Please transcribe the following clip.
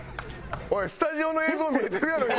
スタジオの映像見えてるやろ今。